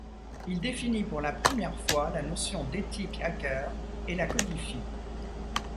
Il définit pour la première fois la notion d'éthique hacker et la codifie.